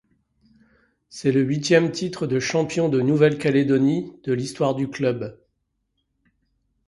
C'est le huitième titre de champion de Nouvelle-Calédonie de l'histoire du club.